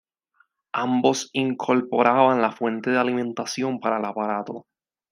Ambos incorporaban la fuente de alimentación para el aparato.